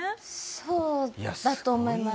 そうだと思います。